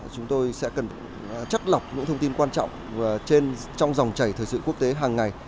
chúng tôi sẽ cần chất lọc những thông tin quan trọng trong dòng chảy thời sự quốc tế hàng ngày